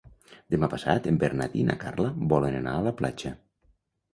Demà passat en Bernat i na Carla volen anar a la platja.